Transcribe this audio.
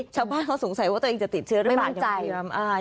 ชาวบ้านเขาสงสัยว่าตัวเองจะติดเชื้อไม่มั่นใจ